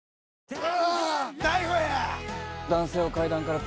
ああ。